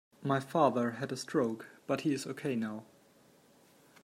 My father had a stroke, but he is ok now.